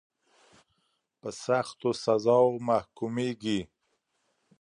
په سختو سزاوو محکومیږي.